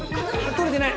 撮れてない？